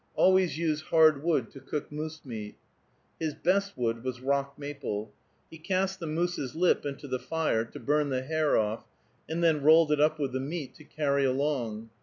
Always use hard wood to cook moose meat." His "best wood" was rock maple. He cast the moose's lip into the fire, to burn the hair off, and then rolled it up with the meat to carry along.